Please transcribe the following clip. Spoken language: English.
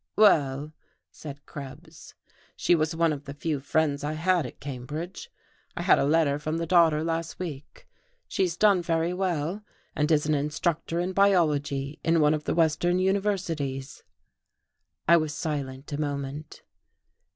"Well," said Krebs, "she was one of the few friends I had at Cambridge. I had a letter from the daughter last week. She's done very well, and is an instructor in biology in one of the western universities." I was silent a moment.